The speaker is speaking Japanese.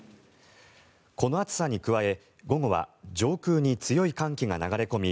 この暑さに加え午後は上空に強い寒気が流れ込み